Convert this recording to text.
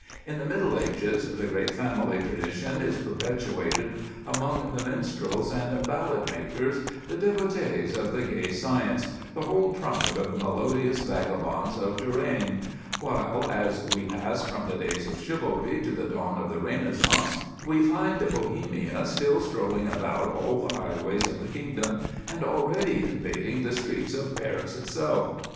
In the middle ages, the great family tradition is perpetuated among the minstrels and ballad makers, the devotees of the gay science, the whole tribe of the melodious vagabonds of Touraine; while, as we pass from the days of chivalry to the dawn of the Renaissance, we find "Bohemia still strolling about all the highways of the kingdom, and already invading the streets of Paris itself."